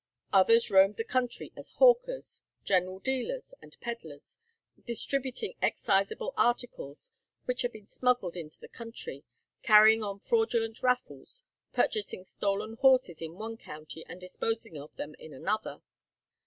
Others roamed the country as hawkers, general dealers, and peddlers, distributing exciseable articles which had been smuggled into the country, carrying on fraudulent raffles, purchasing stolen horses in one county and disposing of them in another.